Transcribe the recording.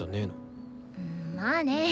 まあね。